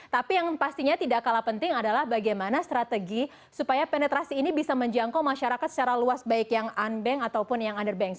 tapi yang pastinya tidak kalah penting adalah bagaimana strategi supaya penetrasi ini bisa menjangkau masyarakat secara luas baik yang unbank ataupun yang under bank